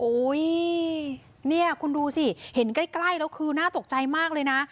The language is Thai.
อุ้ยนี่คุณดูสิเห็นใกล้แล้วคือน่าตกใจมากเลยนะ